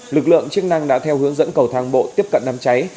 lực lượng chức năng đã theo hướng dẫn cầu thang bộ tiếp cận đám cháy